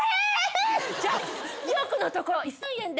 じゃあ２億のところ１，０００万円で。